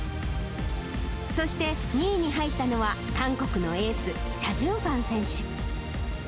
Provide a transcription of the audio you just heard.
そして、２位に入ったのは韓国のエース、チャ・ジュンファン選手。